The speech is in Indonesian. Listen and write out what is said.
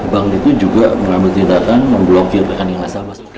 bank itu juga mengambil tindakan memblokir rekening nasabah